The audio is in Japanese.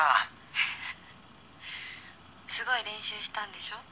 フフッすごい練習したんでしょ？